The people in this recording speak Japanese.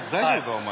お前。